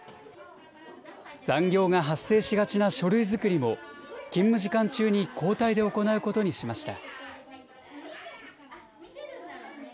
残業が発生しがちな書類作りも、勤務時間中に交代で行うことにしました。